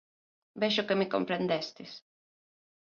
Vexo que me comprendestes.